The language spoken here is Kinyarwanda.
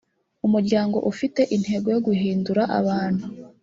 umuryango ufite intego yo guhindura abantu